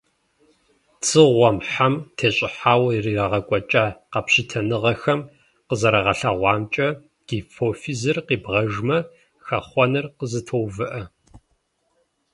Дзыгъуэм, хьэм тещӀыхьауэ ирагъэкӀуэкӀа къэпщытэныгъэхэм къызэрагъэлъэгъуамкӀэ, гипофизыр къибгъэжмэ, хэхъуэныр къызэтоувыӀэ.